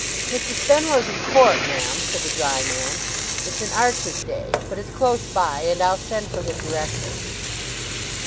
'Mr. Spenlow's in Court, ma'am,' said the dry man; 'it's an Arches day; but it's close by, and I'll send for him directly.